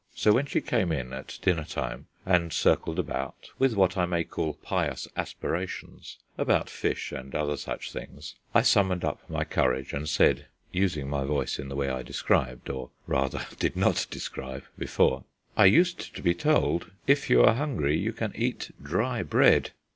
So when she came in at dinner time and circled about, with what I may call pious aspirations about fish and other such things, I summoned up my courage and said (using my voice in the way I described, or rather did not describe, before): "I used to be told, 'If you are hungry, you can eat dry bread.'"